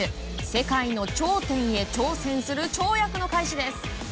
世界の頂点へ挑戦する跳躍の開始です。